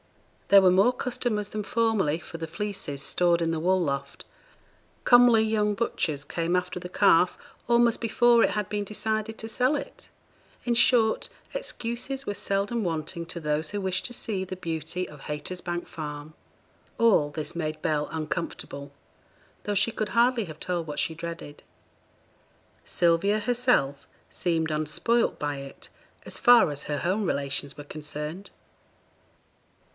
There were more customers than formerly for the fleeces stored in the wool loft; comely young butchers came after the calf almost before it had been decided to sell it; in short, excuses were seldom wanting to those who wished to see the beauty of Haytersbank Farm. All this made Bell uncomfortable, though she could hardly have told what she dreaded. Sylvia herself seemed unspoilt by it as far as her home relations were concerned.